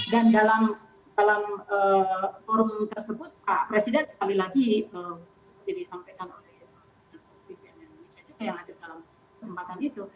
dan dalam forum tersebut pak presiden sekali lagi seperti disampaikan oleh sisanya yang ada dalam kesempatan itu